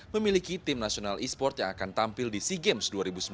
memiliki tim nasional e sport yang akan tampil di sea games dua ribu sembilan belas